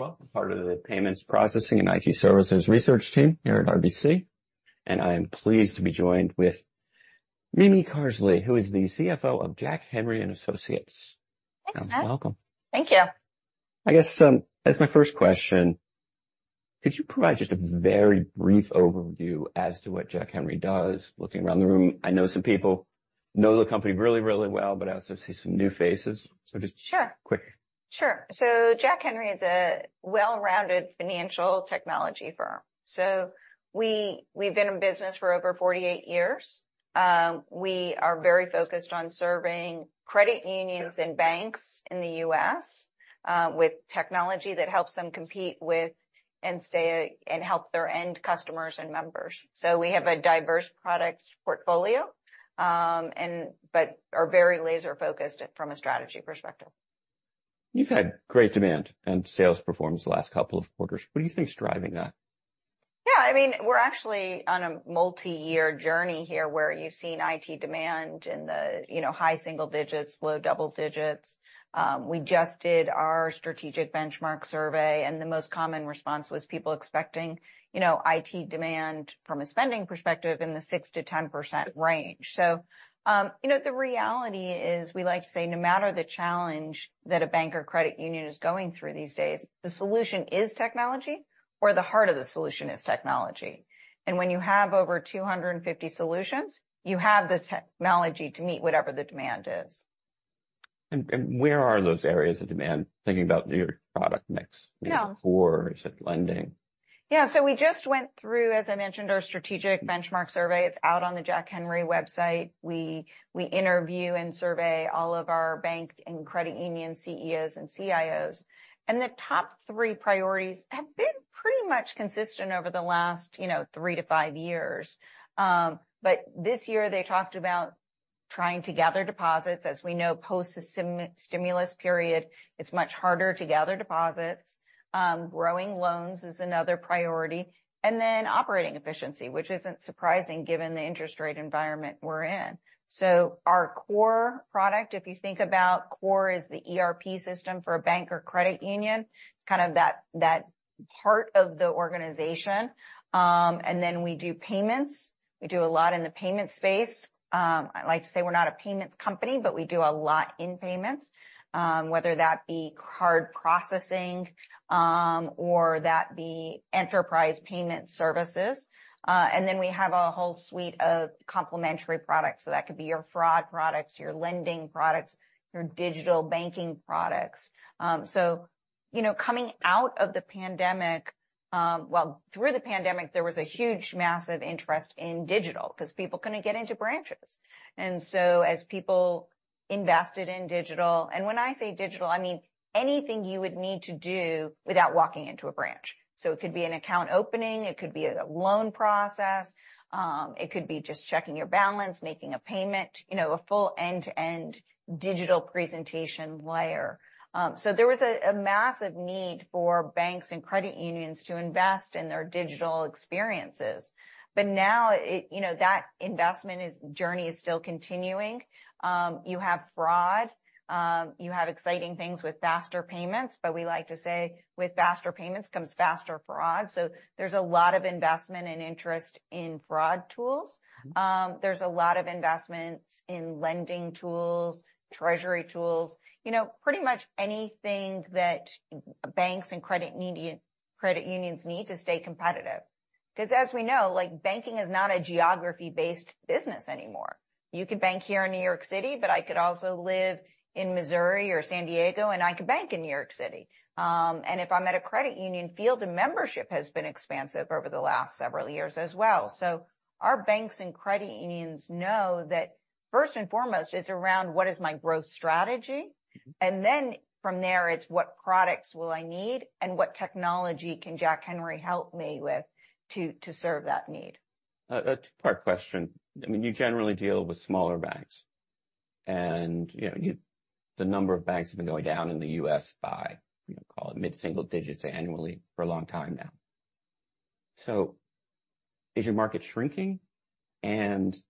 Welcome. Part of the Payments Processing and IT Services research team here at RBC, and I am pleased to be joined with Mimi Carsley, who is the CFO of Jack Henry & Associates. Thanks, Matt. Welcome. Thank you. I guess, as my first question, could you provide just a very brief overview as to what Jack Henry does? Looking around the room, I know some people know the company really, really well, but I also see some new faces, so just- Sure. Quick. Sure. So Jack Henry is a well-rounded financial technology firm. So we, we've been in business for over 48 years. We are very focused on serving credit unions and banks in the US, with technology that helps them compete with and stay, and help their end customers and members. So we have a diverse product portfolio, and but are very laser-focused from a strategy perspective. You've had great demand and sales performance the last couple of quarters. What do you think is driving that? Yeah, I mean, we're actually on a multi-year journey here, where you've seen IT demand in the, you know, high single digits, low double digits. We just did our strategic benchmark survey, and the most common response was people expecting, you know, IT demand from a spending perspective in the 6%-10% range. So, you know, the reality is, we like to say no matter the challenge that a bank or credit union is going through these days, the solution is technology, or the heart of the solution is technology. And when you have over 250 solutions, you have the technology to meet whatever the demand is. Where are those areas of demand, thinking about your product mix? Yeah. Core, is it lending? Yeah, so we just went through, as I mentioned, our strategic benchmark survey. It's out on the Jack Henry website. We interview and survey all of our bank and credit union CEOs and CIOs, and the top 3 priorities have been pretty much consistent over the last, you know, 3-5 years. But this year they talked about trying to gather deposits. As we know, post the stimulus period, it's much harder to gather deposits. Growing loans is another priority, and then operating efficiency, which isn't surprising given the interest rate environment we're in. So our core product, if you think about core, is the ERP system for a bank or credit union, kind of that part of the organization. And then we do payments. We do a lot in the payment space. I like to say we're not a payments company, but we do a lot in payments, whether that be card processing, or that be enterprise payment services. And then we have a whole suite of complementary products. So that could be your fraud products, your lending products, your digital banking products. So you know, coming out of the pandemic, well, through the pandemic, there was a huge, massive interest in digital because people couldn't get into branches. And so as people invested in digital, and when I say digital, I mean anything you would need to do without walking into a branch. So it could be an account opening, it could be a loan process, it could be just checking your balance, making a payment, you know, a full end-to-end digital presentation layer. So there was a massive need for banks and credit unions to invest in their digital experiences. But now, you know, that investment journey is still continuing. You have fraud, you have exciting things with faster payments, but we like to say with faster payments comes faster fraud. So there's a lot of investment and interest in fraud tools. There's a lot of investment in lending tools, treasury tools, you know, pretty much anything that banks and credit unions need to stay competitive. Because as we know, like, banking is not a geography-based business anymore. You can bank here in New York City, but I could also live in Missouri or San Diego, and I could bank in New York City. If I'm at a credit union, Field of Membership has been expansive over the last several years as well. So our banks and credit unions know that first and foremost, it's around what is my growth strategy, and then from there, it's what products will I need, and what technology can Jack Henry help me with to serve that need? A two-part question. I mean, you generally deal with smaller banks, and, you know, the number of banks have been going down in the U.S. by, you know, call it mid-single digits annually for a long time now. So is your market shrinking? And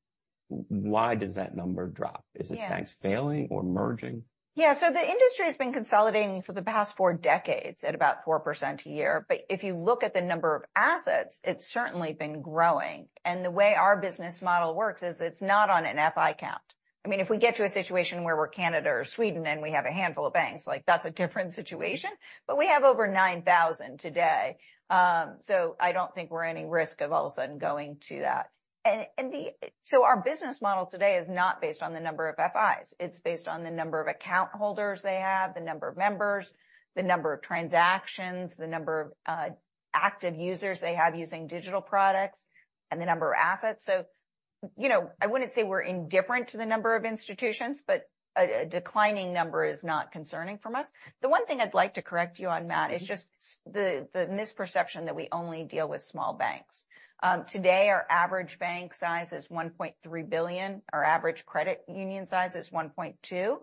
why does that number drop? Yeah. Is it banks failing or merging? Yeah, so the industry has been consolidating for the past four decades at about 4% a year. But if you look at the number of assets, it's certainly been growing, and the way our business model works is it's not on an FI count. I mean, if we get to a situation where we're Canada or Sweden, and we have a handful of banks, like, that's a different situation, but we have over 9,000 today. So I don't think we're at any risk of all of a sudden going to that. So our business model today is not based on the number of FIs. It's based on the number of account holders they have, the number of members, the number of transactions, the number of active users they have using digital products, and the number of assets. So- You know, I wouldn't say we're indifferent to the number of institutions, but a declining number is not concerning from us. The one thing I'd like to correct you on, Matt, is just the misperception that we only deal with small banks. Today, our average bank size is $1.3 billion. Our average credit union size is $1.2 billion.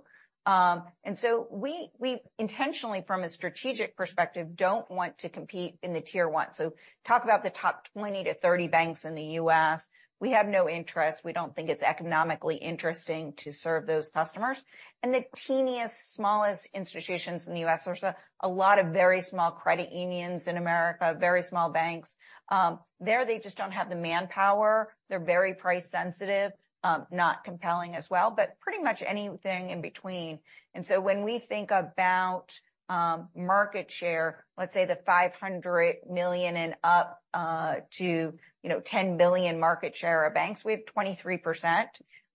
And so we intentionally, from a strategic perspective, don't want to compete in the tier one. So talk about the top 20-30 banks in the U.S., we have no interest. We don't think it's economically interesting to serve those customers. And the teeniest, smallest institutions in the U.S., there's a lot of very small credit unions in America, very small banks. There, they just don't have the manpower. They're very price sensitive, not compelling as well, but pretty much anything in between. And so when we think about, market share, let's say the $500 million and up to $10 billion market share of banks, we have 23%.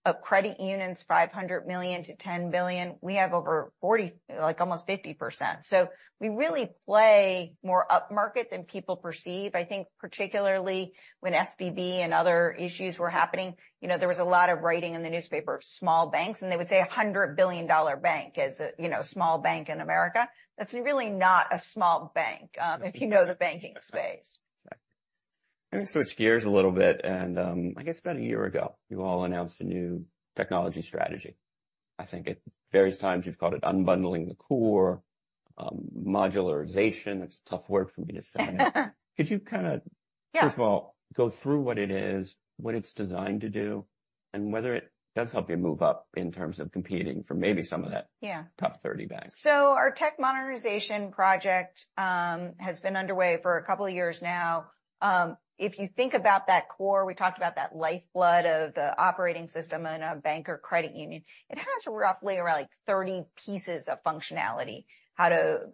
Of credit unions, $500 million to $10 billion, we have over 40%, like almost 50%. So we really play more upmarket than people perceive. I think particularly when SVB and other issues were happening, you know, there was a lot of writing in the newspaper, small banks, and they would say a $100 billion bank is a, you know, small bank in America. That's really not a small bank, if you know the banking space. Exactly. Let me switch gears a little bit, and, I guess about a year ago, you all announced a new technology strategy. I think at various times you've called it unbundling the core, modularization. That's a tough word for me to say. Could you kind f- Yeah. First of all, go through what it is, what it's designed to do, and whether it does help you move up in terms of competing for maybe some of that. Yeah top 30 banks. So our tech modernization project has been underway for a couple of years now. If you think about that core, we talked about that lifeblood of the operating system in a bank or credit union. It has roughly around, like, 30 pieces of functionality. How to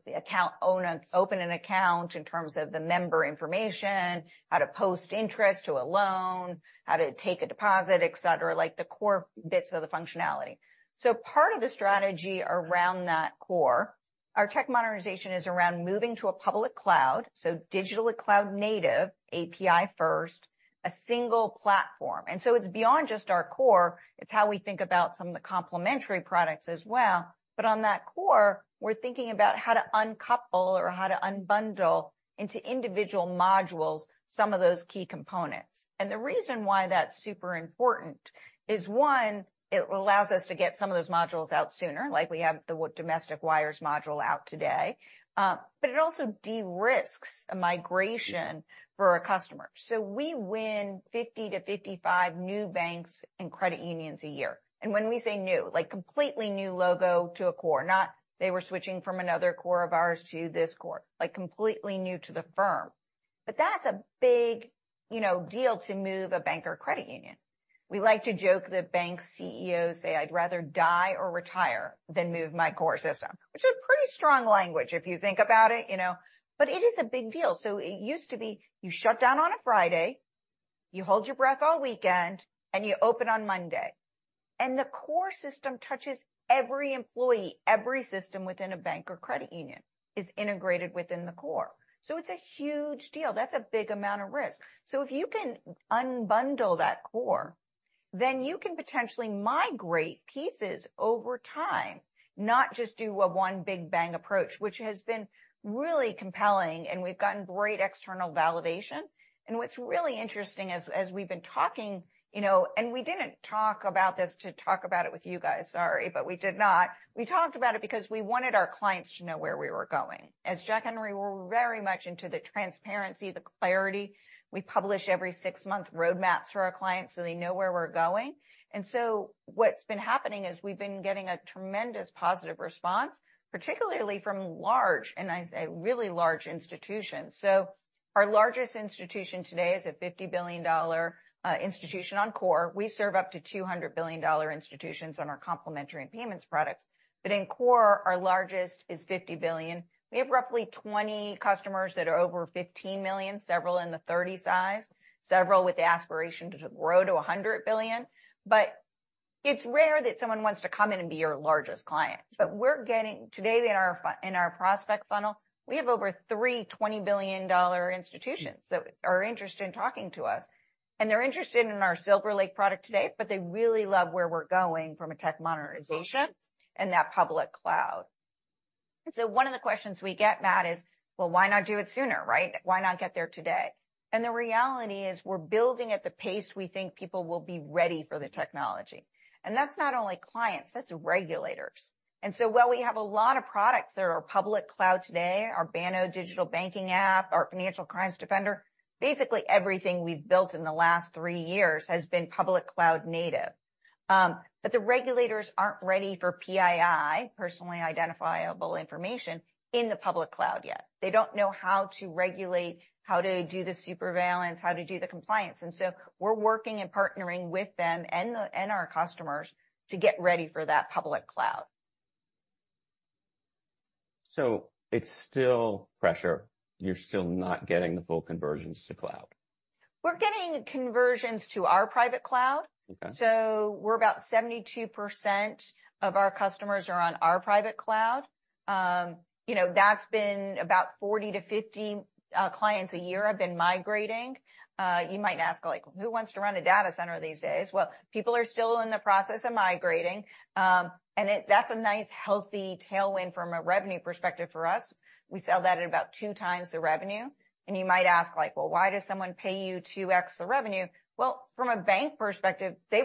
open an account in terms of the member information, how to post interest to a loan, how to take a deposit, et cetera, like the core bits of the functionality. So part of the strategy around that core, our tech modernization is around moving to a public cloud, so digitally cloud native, API first, a single platform. And so it's beyond just our core, it's how we think about some of the complementary products as well. But on that core, we're thinking about how to uncouple or how to unbundle into individual modules, some of those key components. And the reason why that's super important is, one, it allows us to get some of those modules out sooner, like we have the domestic wires module out today. But it also de-risks a migration for our customer. So we win 50-55 new banks and credit unions a year. And when we say new, like, completely new logo to a core, not they were switching from another core of ours to this core, like, completely new to the firm. But that's a big, you know, deal to move a bank or credit union. We like to joke that bank CEOs say, "I'd rather die or retire than move my core system," which is pretty strong language, if you think about it, you know. But it is a big deal. So it used to be you shut down on a Friday, you hold your breath all weekend, and you open on Monday. The core system touches every employee. Every system within a bank or credit union is integrated within the core. So it's a huge deal. That's a big amount of risk. So if you can unbundle that core, then you can potentially migrate pieces over time, not just do a one big bang approach, which has been really compelling, and we've gotten great external validation. What's really interesting as we've been talking, you know, and we didn't talk about this to talk about it with you guys. Sorry, but we did not. We talked about it because we wanted our clients to know where we were going. As Jack Henry, we're very much into the transparency, the clarity. We publish every six-month roadmaps for our clients, so they know where we're going. What's been happening is we've been getting a tremendous positive response, particularly from large, and I say, really large institutions. Our largest institution today is a $50 billion institution on core. We serve up to $200 billion institutions on our complementary and payments products, but in core, our largest is $50 billion. We have roughly 20 customers that are over $15 million, several in the 30 size, several with the aspiration to grow to $100 billion. But it's rare that someone wants to come in and be your largest client. We're getting, today, in our prospect funnel, we have over $320 billion institutions that are interested in talking to us. They're interested in our SilverLake product today, but they really love where we're going from a tech modernization and that public cloud. One of the questions we get, Matt, is: well, why not do it sooner, right? Why not get there today? The reality is, we're building at the pace we think people will be ready for the technology. That's not only clients, that's regulators. While we have a lot of products that are public cloud today, our Banno digital banking app, our Financial Crimes Defender, basically everything we've built in the last three years has been public cloud native. But the regulators aren't ready for PII, Personally Identifiable Information, in the public cloud yet. They don't know how to regulate, how to do the surveillance, how to do the compliance, and so we're working and partnering with them and our customers to get ready for that public cloud. It's still pressure. You're still not getting the full conversions to cloud? We're getting conversions to our private cloud. Okay. So we're about 72% of our customers are on our private cloud. You know, that's been about 40-50 clients a year have been migrating. You might ask, like, "Who wants to run a data center these days?" Well, people are still in the process of migrating, and that's a nice healthy tailwind from a revenue perspective for us. We sell that at about 2x the revenue. And you might ask: like, "Well, why does someone pay you 2x the revenue?" Well, from a bank perspective, they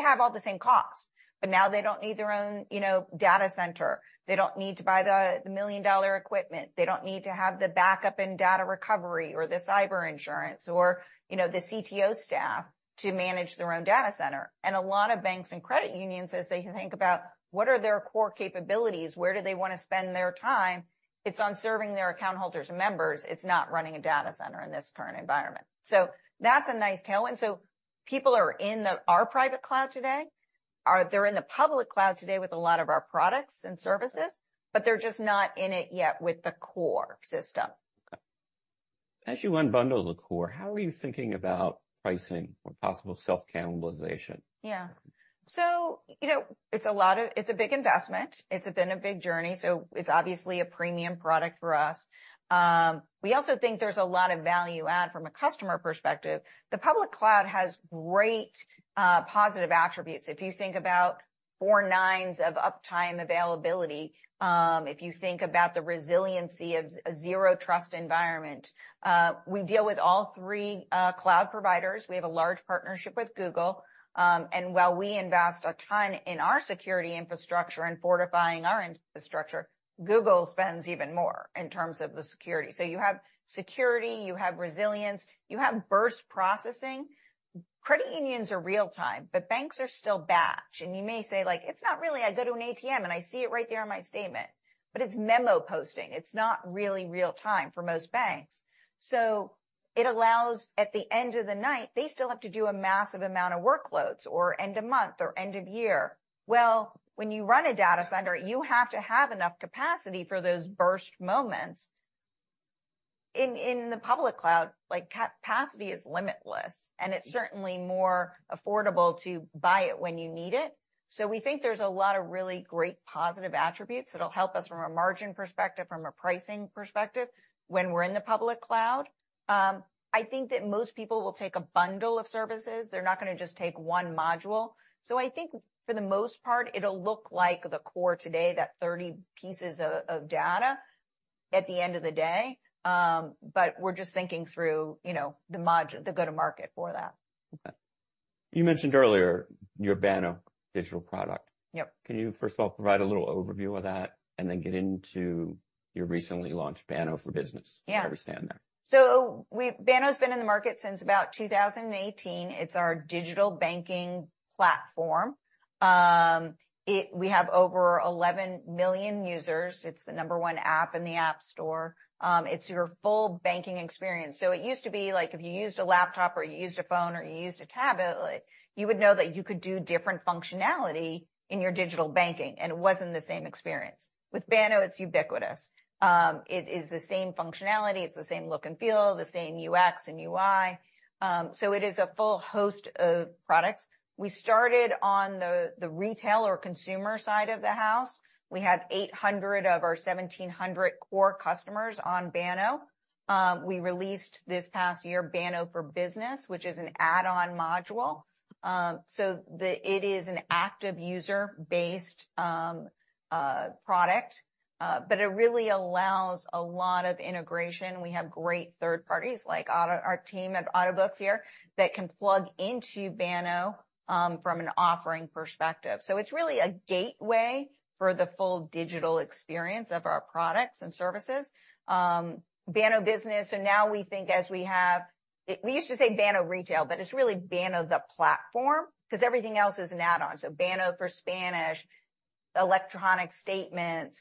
have all the same costs, but now they don't need their own, you know, data center. They don't need to buy the million-dollar equipment. They don't need to have the backup and data recovery or the cyber insurance or, you know, the CTO staff to manage their own data center. A lot of banks and credit unions, as they think about what are their core capabilities, where do they want to spend their time, it's on serving their account holders and members, it's not running a data center in this current environment. That's a nice tailwind. People are in our private cloud today, they're in the public cloud today with a lot of our products and services, but they're just not in it yet with the core system. Okay. As you unbundle the core, how are you thinking about pricing or possible self-cannibalization? Yeah. So, you know, it's a lot of, it's a big investment. It's been a big journey, so it's obviously a premium product for us. We also think there's a lot of value add from a customer perspective. The public cloud has great positive attributes. If you think about four nines of uptime availability, if you think about the resiliency of a zero-trust environment. We deal with all three cloud providers. We have a large partnership with Google. And while we invest a ton in our security infrastructure and fortifying our infrastructure, Google spends even more in terms of the security. So you have security, you have resilience, you have burst processing. Credit unions are real-time, but banks are still batch, and you may say, like, "It's not really. I go to an ATM, and I see it right there on my statement, but it's memo posting. It's not really real time for most banks. So it allows, at the end of the night, they still have to do a massive amount of workloads, or end of month, or end of year. Well, when you run a data center, you have to have enough capacity for those burst moments. In the public cloud, like, capacity is limitless, and it's certainly more affordable to buy it when you need it. So we think there's a lot of really great positive attributes that'll help us from a margin perspective, from a pricing perspective, when we're in the public cloud. I think that most people will take a bundle of services. They're not gonna just take one module. So I think for the most part, it'll look like the core today, that 30 pieces of data at the end of the day, but we're just thinking through, you know, the go-to-market for that. Okay. You mentioned earlier your Banno digital product. Yep. Can you first of all, provide a little overview of that and then get into your recently launched Banno for Business? Yeah. How we stand there. Banno's been in the market since about 2018. It's our digital banking platform. We have over 11 million users. It's the number one app in the App Store. It's your full banking experience. It used to be like, if you used a laptop or you used a phone or you used a tablet, you would know that you could do different functionality in your digital banking, and it wasn't the same experience. With Banno, it's ubiquitous. It is the same functionality, it's the same look and feel, the same UX and UI. So it is a full host of products. We started on the retail or consumer side of the house. We have 800 of our 1,700 core customers on Banno. We released this past year, Banno for Business, which is an add-on module. It is an active user-based product, but it really allows a lot of integration. We have great third parties, like our team at Autobooks here, that can plug into Banno, from an offering perspective. So it's really a gateway for the full digital experience of our products and services. Banno Business, so now we think as we have. We used to say Banno Retail, but it's really Banno, the platform, because everything else is an add-on. So Banno for Spanish, electronic statements,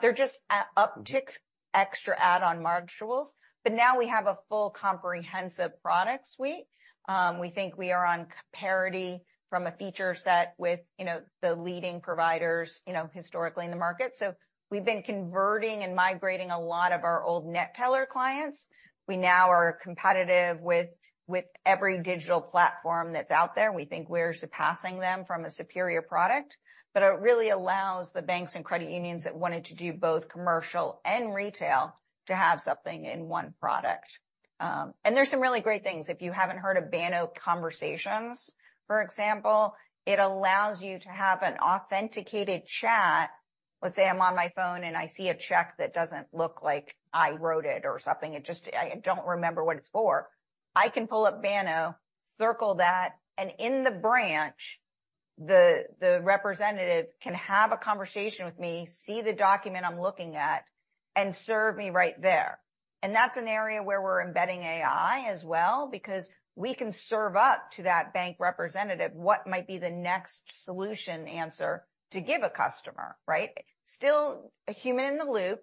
they're just an uptick, extra add-on modules. But now we have a full comprehensive product suite. We think we are on parity from a feature set with, you know, the leading providers, you know, historically in the market. So we've been converting and migrating a lot of our old NetTeller clients. We now are competitive with every digital platform that's out there. We think we're surpassing them from a superior product, but it really allows the banks and credit unions that wanted to do both commercial and retail to have something in one product. And there's some really great things. If you haven't heard of Banno Conversations, for example, it allows you to have an authenticated chat. Let's say I'm on my phone, and I see a check that doesn't look like I wrote it or something. I don't remember what it's for. I can pull up Banno, circle that, and in the branch, the representative can have a conversation with me, see the document I'm looking at, and serve me right there. And that's an area where we're embedding AI as well, because we can serve up to that bank representative what might be the next solution answer to give a customer, right? Still a human in the loop,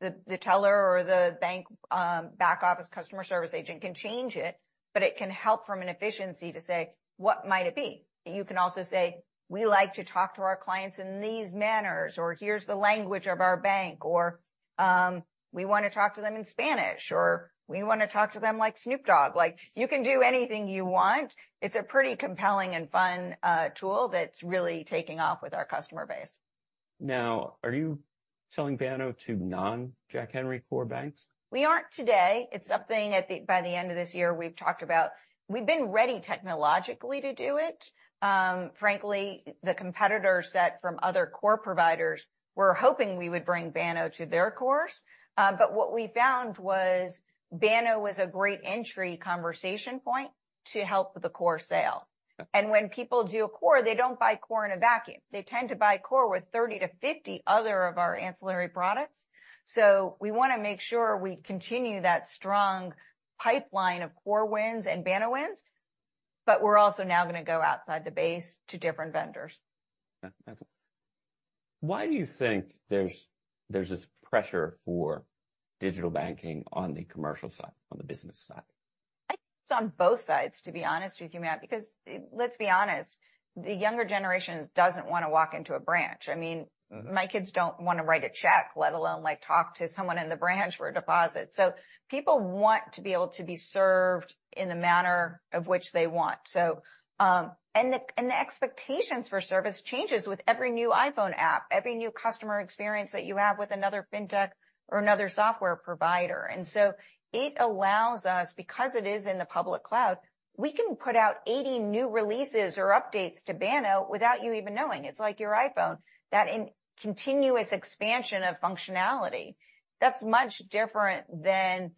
the teller or the bank back office customer service agent can change it, but it can help from an efficiency to say: what might it be? You can also say: We like to talk to our clients in these manners, or here's the language of our bank, or we want to talk to them in Spanish, or we want to talk to them like Snoop Dogg. Like, you can do anything you want. It's a pretty compelling and fun tool that's really taking off with our customer base. Now, are you selling Banno to non-Jack Henry core banks? We aren't today. It's something by the end of this year, we've talked about. We've been ready technologically to do it. Frankly, the competitor set from other core providers were hoping we would bring Banno to their cores. But what we found was Banno was a great entry conversation point to help with the core sale. And when people do a core, they don't buy core in a vacuum. They tend to buy core with 30-50 other of our ancillary products. So we want to make sure we continue that strong pipeline of core wins and Banno wins, but we're also now going to go outside the base to different vendors. Okay, why do you think there's this pressure for digital banking on the commercial side, on the business side? I think it's on both sides, to be honest with you, Matt, because, let's be honest, the younger generation doesn't want to walk into a branch. I mean, my kids don't want to write a check, let alone, like, talk to someone in the branch for a deposit. So people want to be able to be served in the manner of which they want. So, and the expectations for service changes with every new iPhone app, every new customer experience that you have with another fintech or another software provider. And so it allows us, because it is in the public cloud, we can put out 80 new releases or updates to Banno without you even knowing. It's like your iPhone, that in continuous expansion of functionality. That's much different than,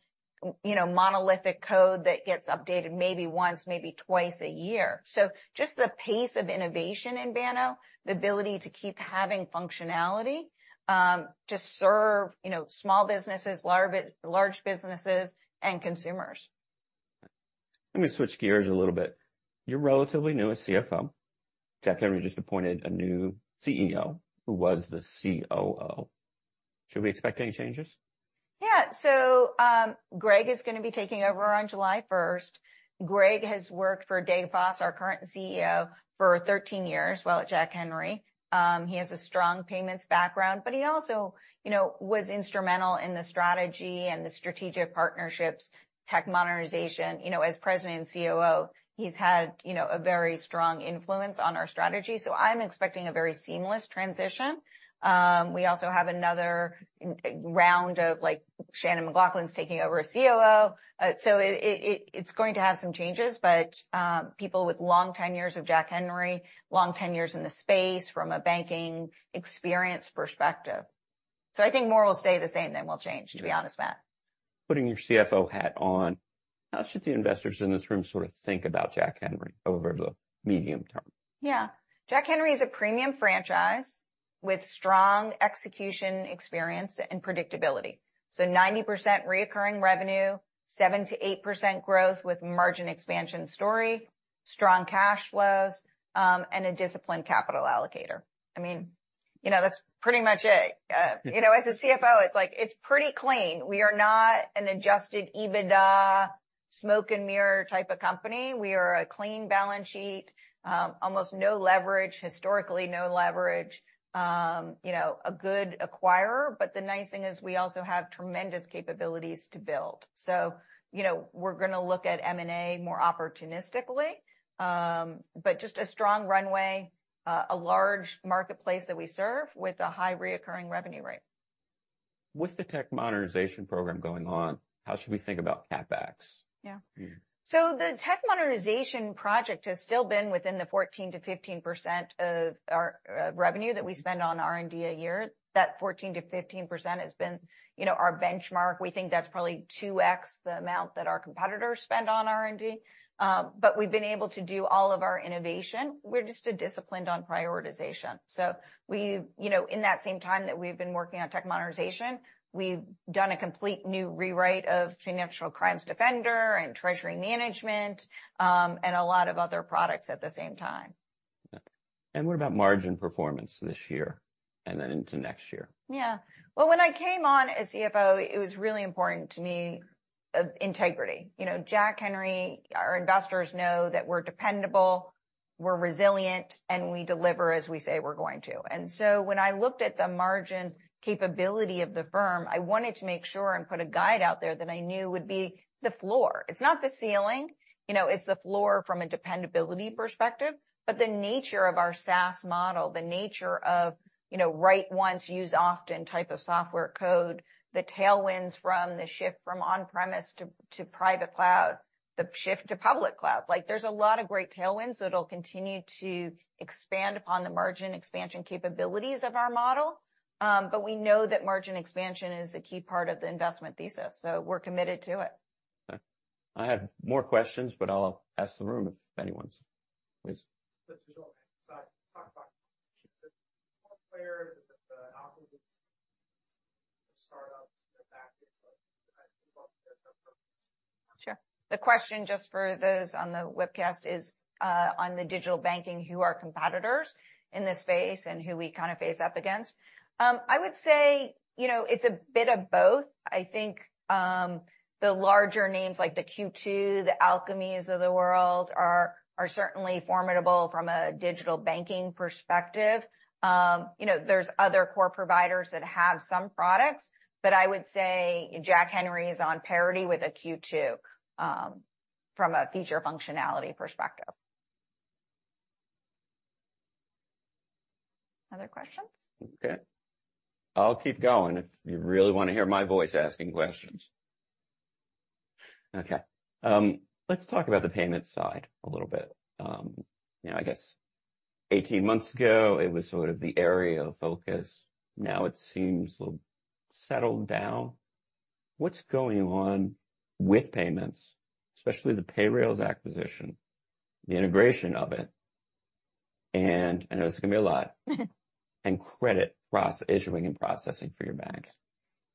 you know, monolithic code that gets updated maybe once, maybe twice a year. So just the pace of innovation in Banno, the ability to keep having functionality to serve, you know, small businesses, large businesses, and consumers. Let me switch gears a little bit. You're relatively new as CFO. Jack Henry just appointed a new CEO, who was the COO. Should we expect any changes? Yeah. So, Greg is going to be taking over on July first. Greg has worked for Dave Foss, our current CEO, for 13 years while at Jack Henry. He has a strong payments background, but he also, you know, was instrumental in the strategy and the strategic partnerships, tech modernization. You know, as President and COO, he's had, you know, a very strong influence on our strategy, so I'm expecting a very seamless transition. We also have another round of, like, Shanon McLachlan is taking over as COO. So it, it, it's going to have some changes, but, people with long tenures of Jack Henry, long tenures in the space from a banking experience perspective. So I think more will stay the same than will change, to be honest, Matt. Putting your CFO hat on, how should the investors in this room sort of think about Jack Henry over the medium term? Yeah. Jack Henry is a premium franchise with strong execution, experience, and predictability. So 90% recurring revenue, 7%-8% growth with margin expansion story, strong cash flows, and a disciplined capital allocator. I mean, you know, that's pretty much it. You know, as a CFO, it's like it's pretty clean. We are not an adjusted EBITDA, smoke and mirror type of company. We are a clean balance sheet, almost no leverage, historically, no leverage, you know, a good acquirer, but the nice thing is we also have tremendous capabilities to build. So, you know, we're going to look at M&A more opportunistically, but just a strong runway, a large marketplace that we serve with a high recurring revenue rate. With the tech modernization program going on, how should we think about CapEx? Yeah. Mm-hmm. So the tech modernization project has still been within the 14%-15% of our revenue that we spend on R&D a year. That 14%-15% has been, you know, our benchmark. We think that's probably 2x the amount that our competitors spend on R&D, but we've been able to do all of our innovation. We're just too disciplined on prioritization. So you know, in that same time that we've been working on tech modernization, we've done a complete new rewrite of Financial Crimes Defender and treasury management, and a lot of other products at the same time. Yeah. What about margin performance this year and then into next year? Yeah. Well, when I came on as CFO, it was really important to me, integrity. You know, Jack Henry, our investors know that we're dependable, we're resilient, and we deliver as we say we're going to. And so when I looked at the margin capability of the firm, I wanted to make sure and put a guide out there that I knew would be the floor. It's not the ceiling, you know, it's the floor from a dependability perspective, but the nature of our SaaS model, the nature of, you know, write once, use often type of software code, the tailwinds from the shift from on-premise to, to private cloud, the shift to public cloud. Like, there's a lot of great tailwinds that'll continue to expand upon the margin expansion capabilities of our model. But we know that margin expansion is a key part of the investment thesis, so we're committed to it. Okay. I have more questions, but I'll ask the room if anyone's Please. Sure. The question, just for those on the webcast, is, on the digital banking, who are competitors in this space and who we kind of face up against? I would say, you know, it's a bit of both. I think, the larger names like the Q2, the Alkami of the world are certainly formidable from a digital banking perspective. You know, there's other core providers that have some products, but I would say Jack Henry is on parity with a Q2, from a feature functionality perspective, other questions? Okay. I'll keep going if you really want to hear my voice asking questions. Okay, let's talk about the payment side a little bit. You know, I guess 18 months ago, it was sort of the area of focus. Now it seems a little settled down. What's going on with payments, especially the Payrailz acquisition, the integration of it, and I know it's gonna be a lot, and credit pros issuing and processing for your banks?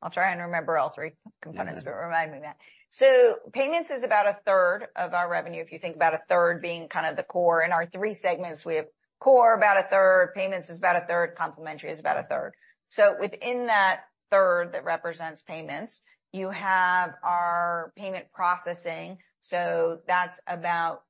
I'll try and remember all three components, but remind me, Matt. So payments is about a third of our revenue. If you think about a third being kind of the core. In our three segments, we have core, about a third, payments is about a third, complementary is about a third. So within that third that represents payments, you have our payment processing, so that's about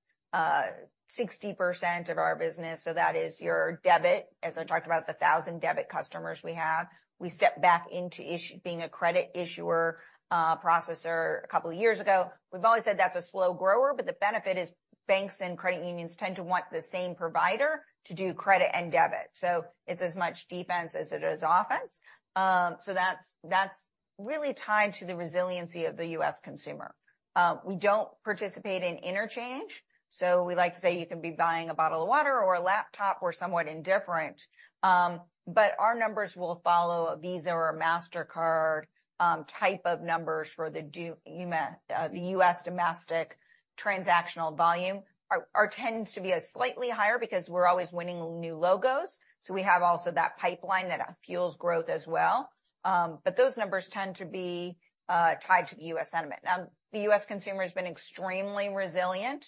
60% of our business. So that is your debit. As I talked about, the 1,000 debit customers we have. We stepped back into issuing, being a credit issuer processor a couple of years ago. We've always said that's a slow grower, but the benefit is banks and credit unions tend to want the same provider to do credit and debit, so it's as much defense as it is offense. So that's really tied to the resiliency of the U.S. consumer. We don't participate in interchange, so we like to say you can be buying a bottle of water or a laptop, we're somewhat indifferent. But our numbers will follow a Visa or a Mastercard, type of numbers for the U.S. domestic transactional volume. Our tends to be a slightly higher because we're always winning new logos, so we have also that pipeline that fuels growth as well. But those numbers tend to be tied to the U.S. sentiment. Now, the U.S. consumer has been extremely resilient.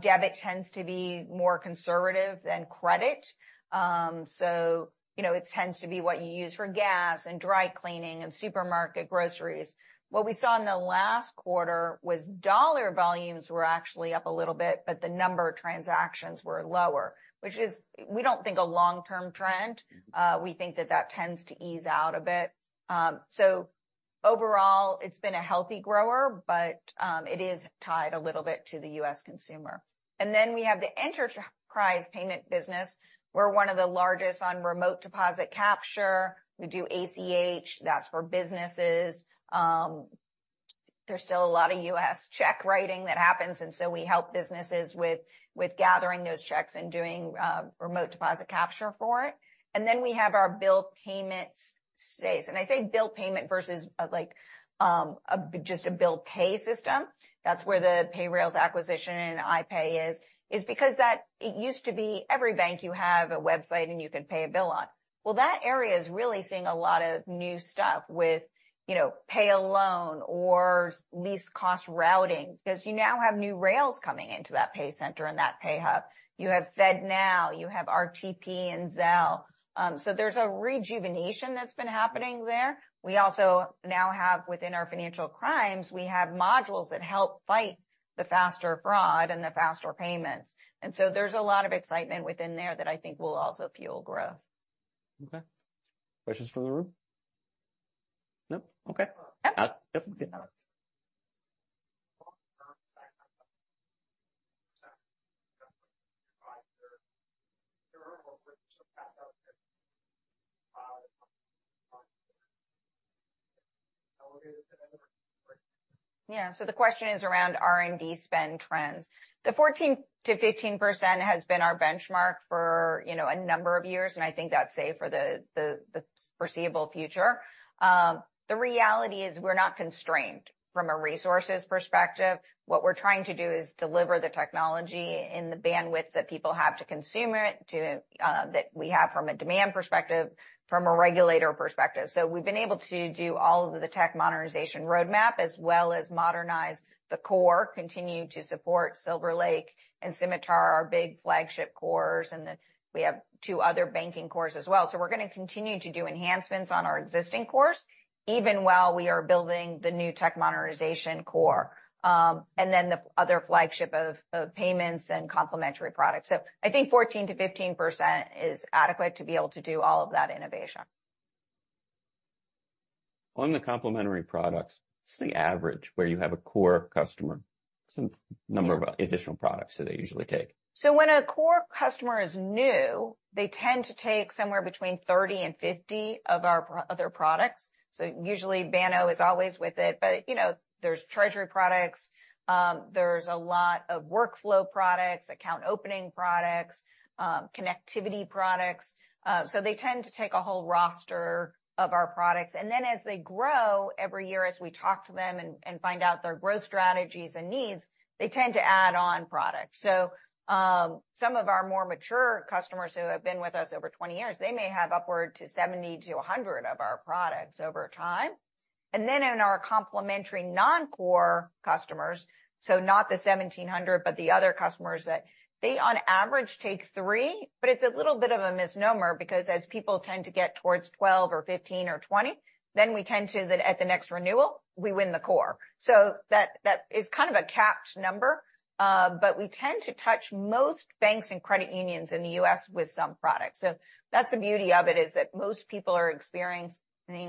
Debit tends to be more conservative than credit. So, you know, it tends to be what you use for gas and dry cleaning and supermarket groceries. What we saw in the last quarter was dollar volumes were actually up a little bit, but the number of transactions were lower, which is, we don't think a long-term trend. We think that that tends to ease out a bit. So overall, it's been a healthy grower, but it is tied a little bit to the U.S. consumer. And then we have the enterprise payment business. We're one of the largest on remote deposit capture. We do ACH, that's for businesses. There's still a lot of U.S. check writing that happens, and so we help businesses with gathering those checks and doing remote deposit capture for it. And then we have our bill payment space. And I say bill payment versus, like, just a bill pay system. That's where the Payrailz acquisition and iPay is, is because that it used to be every bank you have a website and you can pay a bill on. Well, that area is really seeing a lot of new stuff with, you know, pay a loan or least cost routing, because you now have new rails coming into that PayCenter and that pay hub. You have FedNow, you have RTP and Zelle. So there's a rejuvenation that's been happening there. We also now have within our financial crimes, we have modules that help fight the faster fraud and the faster payments. And so there's a lot of excitement within there that I think will also fuel growth. Okay. Questions from the room? Nope. Okay. Okay. [inaudible] Yeah. So the question is around R&D spend trends. The 14%-15% has been our benchmark for, you know, a number of years, and I think that's safe for the foreseeable future. The reality is, we're not constrained from a resources perspective. What we're trying to do is deliver the technology and the bandwidth that people have to consume it, to that we have from a demand perspective, from a regulator perspective. So we've been able to do all of the tech modernization roadmap, as well as modernize the core, continue to support SilverLake and Symitar, our big flagship cores, and we have two other banking cores as well. So we're gonna continue to do enhancements on our existing cores, even while we are building the new tech modernization core, and then the other flagship of payments and complementary products. I think 14%-15% is adequate to be able to do all of that innovation. On the complementary products, what's the average where you have a core customer? So number of additional products do they usually take? So when a core customer is new, they tend to take somewhere between 30 and 50 of our other products. So usually, Banno is always with it, but, you know, there's treasury products, there's a lot of workflow products, account opening products, connectivity products. So they tend to take a whole roster of our products. And then as they grow, every year, as we talk to them and find out their growth strategies and needs, they tend to add on products. So, some of our more mature customers who have been with us over 20 years, they may have upward to 70 to 100 of our products over time. And then in our complementary non-core customers, so not the 1,700, but the other customers, that they on average, take three. But it's a little bit of a misnomer because as people tend to get towards 12 or 15 or 20, then we tend to, that at the next renewal, we win the core. So that, that is kind of a capped number, but we tend to touch most banks and credit unions in the US with some products. So that's the beauty of it, is that most people are experiencing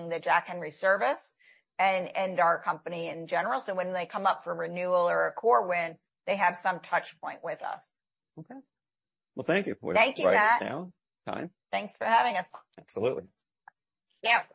the Jack Henry service and, and our company in general. So when they come up for renewal or a core win, they have some touch point with us. Okay. Well, thank you. Thank you, Matt. Write down. Time. Thanks for having us. Absolutely. Yeah.